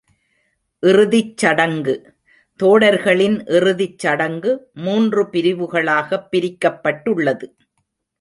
இறுதிச் சடங்கு தோடர்களின் இறுதிச் சடங்கு மூன்று பிரிவுகளாகப் பிரிக்கப்பட்டுள்ளது.